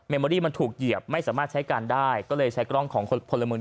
เมโมรีมันถูกเหยียบไม่สามารถใช้การได้ก็เลยใช้กล้องของคนผู้